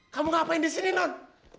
kamu ngapain di sini non